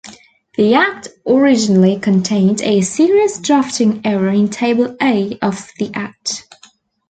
The Act originally contained a serious drafting error in Table A of the Act.